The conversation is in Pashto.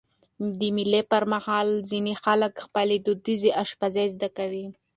د مېلو پر مهال ځيني خلک خپله دودیزه اشپزي زده کوي.